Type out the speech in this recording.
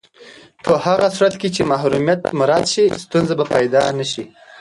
په هغه صورت کې چې محرمیت مراعت شي، ستونزې به پیدا نه شي.